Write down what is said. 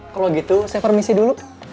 kalau gitu saya permisi dulu